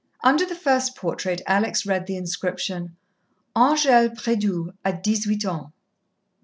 Under the first portrait Alex read the inscription "Angèle Prédoux a dix huit ans."